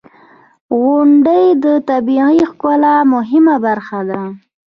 • غونډۍ د طبیعی ښکلا مهمه برخه ده.